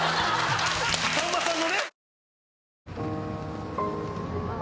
さんまさんのね。